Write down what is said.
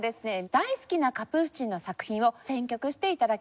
大好きなカプースチンの作品を選曲して頂きました。